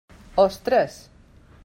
Ostres!